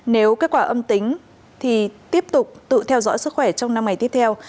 nếu kết quả âm tính thì tiếp tục tự theo dõi sức khỏe trong năm ngày tiếp theo